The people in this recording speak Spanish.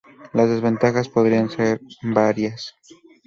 Las desventajas podrían ser varias.